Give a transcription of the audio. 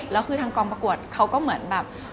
แล้วคือทางกองประกวดเขาก็เหมือนแบบ